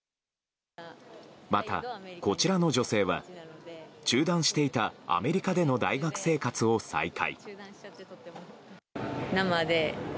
また、こちらの女性は中断していたアメリカでの大学生活を再開。